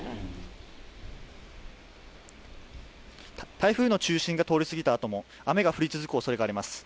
台風の中心が通り過ぎたあとも雨が降り続くおそれがあります